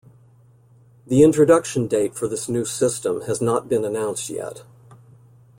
The introduction date for this new system has not been announced yet.